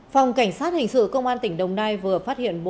phòng cảnh sát hình sự công an tỉnh đồng nai vừa phát hiện